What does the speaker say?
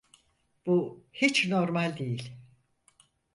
Bu hiç normal değil.